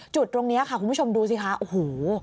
จุดตรงนี้ค่ะคุณผู้ชมดูสิคะโอ้โห